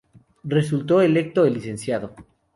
Resultó electo el Lic.